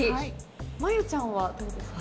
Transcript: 舞悠ちゃんはどうですか？